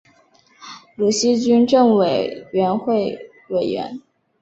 鲁西军政委员会委员。